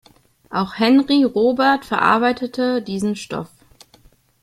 Auch Henri Robert verarbeitete diesen Stoff.